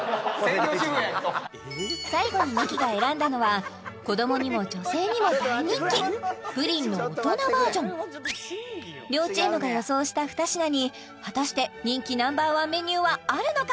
最後にミキが選んだのは子どもにも女性にも大人気プリンの大人バージョン両チームが予想した２品に果たして人気Ｎｏ．１メニューはあるのか？